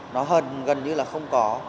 nó hần gần như là không có